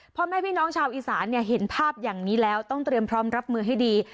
พ่อแม่พี่น้องชาวอีสานเห็นภาพอย่างนี้แล้วต้องเตรียมพร้อมรับมือให้ดี